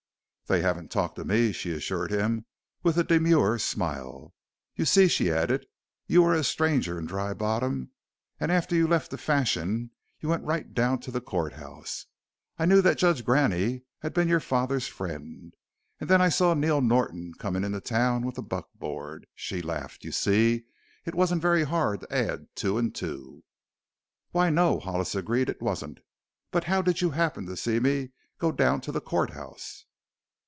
"They haven't talked to me," she assured him with a demure smile. "You see," she added, "you were a stranger in Dry Bottom, and after you left the Fashion you went right down to the court house. I knew Judge Graney had been your father's friend. And then I saw Neil Norton coming into town with the buckboard." She laughed. "You see, it wasn't very hard to add two and two." "Why, no," Hollis agreed, "it wasn't. But how did you happen to see me go down to the court house?"